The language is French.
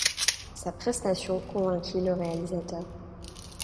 Sa prestation convainquit le réalisateur.